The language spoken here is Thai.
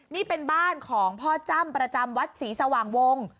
นี่เป็นบ้านของพ่อจ้ำประจำวัดศรีสว่างวง